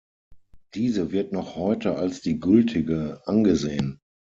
Diese wird noch heute als die gültige angesehen.